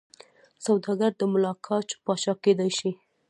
سوداګر د ملاکا پاچا کېدای شي.